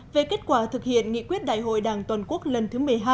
về kết quả thực hiện nghị quyết đại hội đảng toàn quốc lần thứ một mươi hai